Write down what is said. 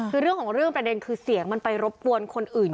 คือเรื่องของเรื่องประเด็นคือเสียงมันไปรบกวนคนอื่น